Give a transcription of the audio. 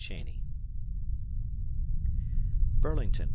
Cheney. Burlington, Vt.